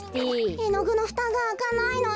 えのぐのふたがあかないのよ。